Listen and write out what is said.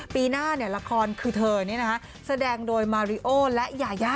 ปีหน้าละครคือเธอแสดงโดยมาริโอและยายา